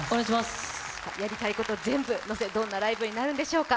やりたいこと全部載せライブ、どんなことになるのでしょうか。